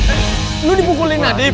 eh lo dipukulin nadif